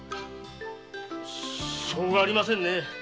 しょうがありませんね。